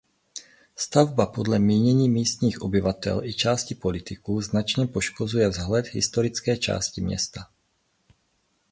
Stavba podle mínění místních obyvatel i části politiků značně poškozuje vzhled historické části města.